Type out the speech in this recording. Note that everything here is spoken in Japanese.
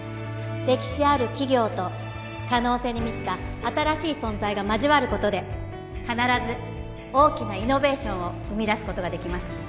歴史ある企業と可能性に満ちた新しい存在が交わることで必ず大きなイノベーションを生み出すことができます